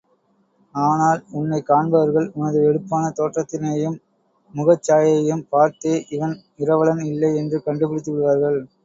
ஆனால் உன்னைக் காண்பவர்கள் உனது எடுப்பான தோற்றத்தினையும் முகச்சாயையும் பார்த்தே இவன் இரவலன் இல்லை என்று கண்டுபிடித்து விடுவார்கள்.